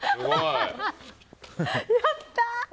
やったー！